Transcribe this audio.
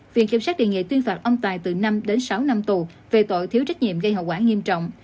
viện kiểm sát đề nghị tuyên phạt ông tài từ năm đến sáu năm tù về tội thiếu trách nhiệm gây hậu quả nghiêm trọng